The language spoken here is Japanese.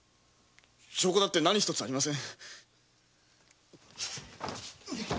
証拠だって何一つありません。